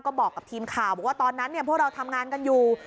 ก็บอกกับทีมข่าวบอกว่าตอนนั้นพวกเราทำงานกันอยู่